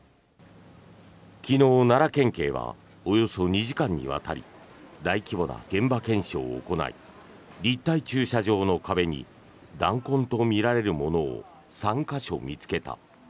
昨日、奈良県警はおよそ２時間にわたり大規模な現場検証を行い立体駐車場の壁に弾痕とみられるものを３か所見つけた。